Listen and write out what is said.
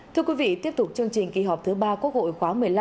thưa quý vị tiếp tục chương trình kỳ họp thứ ba quốc hội khóa một mươi năm